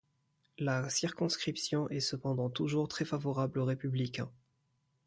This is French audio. La circonscription est cependant toujours très favorable aux républicains.